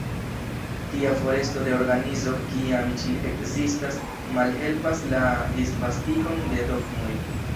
Tia foresto de organizo, kiam ĝi ekzistas, malhelpas la disvastigon de dogmoj.